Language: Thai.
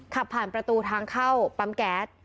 ขับผ่านประตูทางเข้าปั๊มแก๊ส